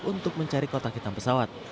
untuk mencari kotak hitam pesawat